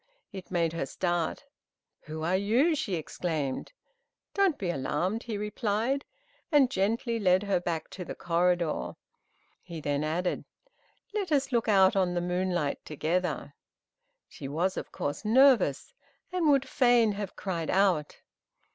It made her start. "Who are you?" she exclaimed. "Don't be alarmed," he replied, and gently led her back to the corridor. He then added, "Let us look out on the moonlight together." She was, of course, nervous, and would fain have cried out.